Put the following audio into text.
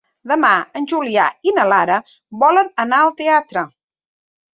Demà en Julià i na Lara volen anar al teatre.